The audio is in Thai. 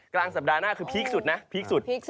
กลางสัปดาห์หน้าคือพีคสุดนะพีคสุด